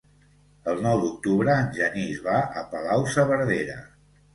El nou d'octubre en Genís va a Palau-saverdera.